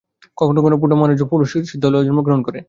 কখনও কখনও মানুষ পূর্বজন্মলব্ধ সিদ্ধি লইয়া জন্মগ্রহণ করে।